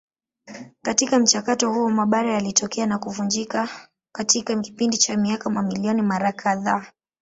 Katika mchakato huo mabara yalitokea na kuvunjika katika kipindi cha miaka mamilioni mara kadhaa.